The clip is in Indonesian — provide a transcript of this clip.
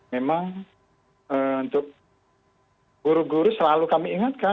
memang untuk guru guru selalu kami ingatkan